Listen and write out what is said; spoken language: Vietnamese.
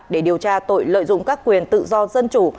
để điều tra tội lợi dụng các quyền tự do dân chủ